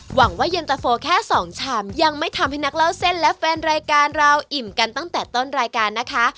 หวังว่าเย็นตะโฟแค่สองชามยังไม่ทำให้นักเล่าเส้นและแฟนรายการเราอิ่มกันตั้งแต่ต้นรายการนะคะ